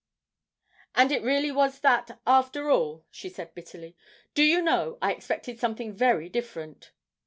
'And it really was that, after all!' she said bitterly. 'Do you know, I expected something very different.'